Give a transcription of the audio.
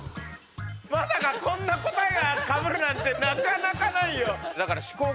まさかこんな答えがかぶるなんてなかなかないよ！